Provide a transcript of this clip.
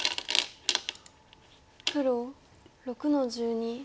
黒６の十二。